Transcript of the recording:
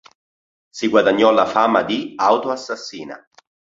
Si guadagnò la fama di "Auto Assassina".